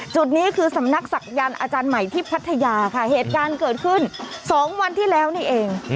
จุดนี้คือสำนักศักยันต์อาจารย์ใหม่ที่พัทยาค่ะเหตุการณ์เกิดขึ้น๒วันที่แล้วนี่เอง